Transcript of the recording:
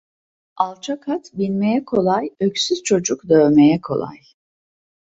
Alçak at binmeye kolay, öksüz çocuk dövmeye kolay.